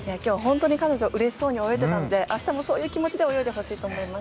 彼女はうれしそうに泳いでいたので明日もそういう気持ちで泳いでほしいと思います。